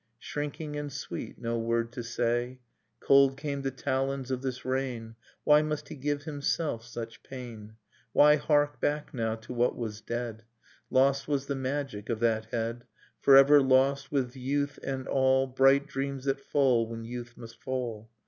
Shrinking and sweet, no word to say ... Cold came the talons of this rain. Why must he give himself such pain? Why hark back now to what was dead? ... Lost was the magic of that head ... Forever lost, with youth and all Bright dreams that fall when youth must fall.